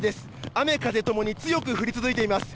雨風共に強く降り続いています。